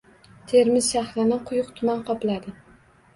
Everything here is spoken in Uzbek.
Termiz shahrini quyuq tuman qopladi